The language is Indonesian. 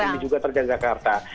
ini juga terjadi jakarta